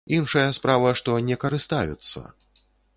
Іншая справа, што не карыстаюцца.